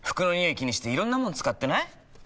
気にしていろんなもの使ってない？